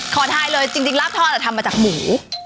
ขอทายเลยจริงลาบทอดทำมาจากหมู